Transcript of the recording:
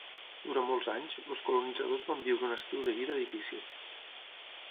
Durant molts anys, els colonitzadors van viure un estil de vida difícil.